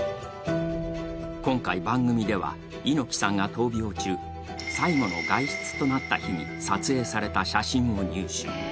今回、番組では猪木さんが闘病中、最後の外出となった日に撮影された写真を入手。